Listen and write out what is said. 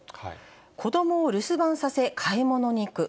子どもを留守番させ、買い物に行く。